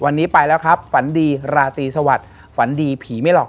วันนี้ไปแล้วครับฝันดีราตรีสวัสดิ์ฝันดีผีไม่หลอก